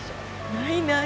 ないない。